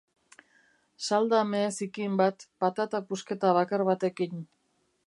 Salda mehe zikin bat, patata pusketa bakar batekin.